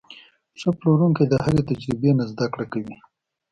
ښه پلورونکی د هرې تجربې نه زده کړه کوي.